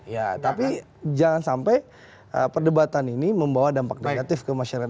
ya tapi jangan sampai perdebatan ini membawa dampak negatif ke masyarakat